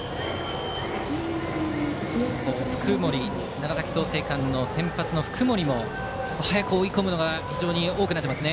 長崎・創成館の先発の福盛も早く追い込むことが多くなっています。